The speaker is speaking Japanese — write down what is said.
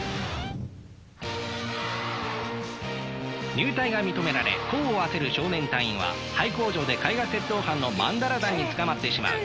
入隊が認められ功を焦る少年隊員は廃工場で絵画窃盗犯のマンダラ団に捕まってしまう。